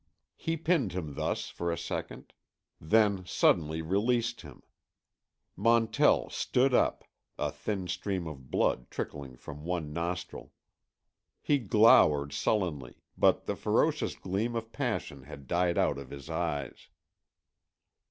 He pinned him thus for a second; then suddenly released him. Montell stood up, a thin stream of blood trickling from one nostril. He glowered sullenly, but the ferocious gleam of passion had died out of his eyes.